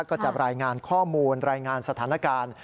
ก็จะรายงานข้อมูลรายงานสถานการณ์